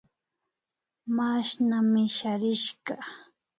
Mashna misharishka